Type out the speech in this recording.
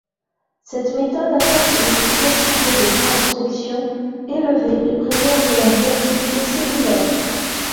Cette méthode apporte une efficacité de transfection élevée et préserve la viabilité cellulaire.